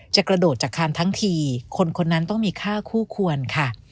กระโดดจากคานทั้งทีคนคนนั้นต้องมีค่าคู่ควรค่ะ